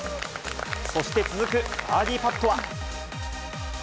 そして続くバーディーパットは。